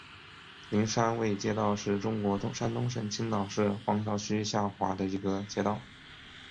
灵山卫街道是中国山东省青岛市黄岛区下辖的一个街道。